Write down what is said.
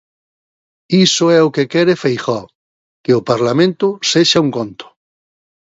Iso é o que quere Feijóo: que o Parlamento sexa un conto.